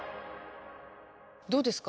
どうですか？